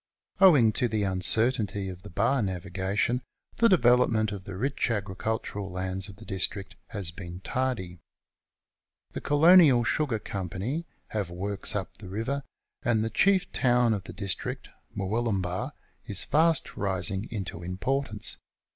Owing to the uncertainty of the bar navigation the development of the rich agricul tural lands of the district has been tardy. The Colonial Sugar Company have works up the river, and the chief town of the district, Murwillumbah, is fast rising into importance.